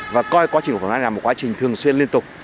và coi quá trình cổ phần hóa là một quá trình thường xuyên liên tục